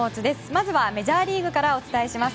まずはメジャーリーグからお伝えします。